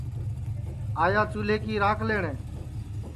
آیا چُولے کی راکھ لئٹؔے